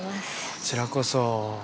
こちらこそ。